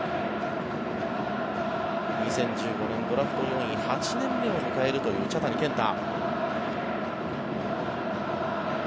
２０１５年、ドラフト４位８年目を迎えるという茶谷健太。